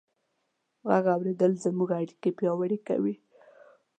غږ اورېدل زموږ اړیکې پیاوړې کوي.